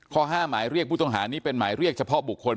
ข้อ๕หมายเรียกผู้ต้องหานี้เป็นหมายเรียกเฉพาะบุคคล